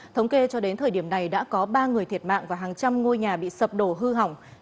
thống kê cho đến thời điểm này đã có ba người thiệt mạng và hàng trăm ngôi nhà bị sập đổ hư hỏng